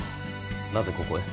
なぜここへ。